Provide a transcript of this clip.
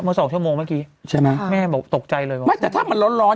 สองชั่วโมงเมื่อกี้ใช่ไหมแม่บอกตกใจเลยบอกไม่แต่ถ้ามันร้อนร้อน